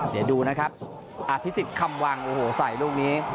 เดี๋ยวดูนะครับอภิษฎคำวังโอ้โหใส่ลูกนี้